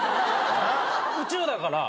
宇宙だから。